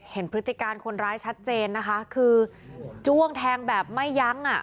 พฤติการคนร้ายชัดเจนนะคะคือจ้วงแทงแบบไม่ยั้งอ่ะ